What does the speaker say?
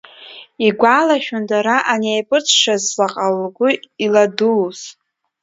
Игәалашәон дара анеиԥырҵшаз заҟа лгәы иладууз.